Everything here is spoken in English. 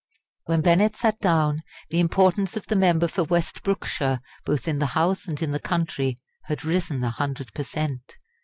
When Bennett sat down, the importance of the member for West Brookshire, both in the House and in the country, had risen a hundred per cent.